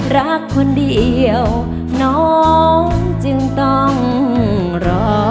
รักคนเดียวน้องจึงต้องรอ